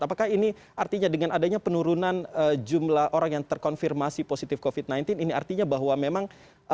apakah ini artinya dengan adanya penurunan jumlah orang yang terkonfirmasi positif covid sembilan belas ini artinya bahwa memang